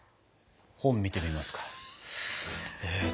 本見てみますか。